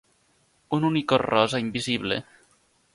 Un unicorn rosa invisible.